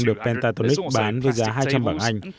được pentaonic bán với giá hai trăm linh bảng anh